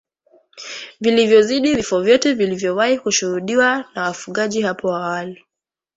vilivyozidi vifo vyote vilivyowahi kushuhudiwa na wafugaji hapo awali